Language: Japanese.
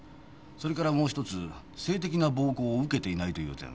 それからもうひとつ性的な暴行を受けていないという点